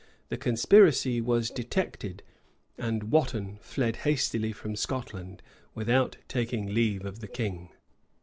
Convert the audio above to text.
The conspiracy was detected; and Wotton fled hastily from Scotland, without taking leave of the king.